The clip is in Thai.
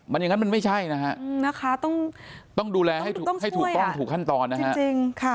มันยังงั้นมันไม่ใช่นะคะต้องดูแลให้ถูกต้องถูกขั้นตอน